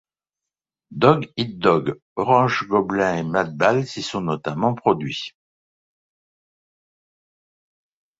Dog Eat Dog, Orange Goblin et Madball s'y sont notamment produit.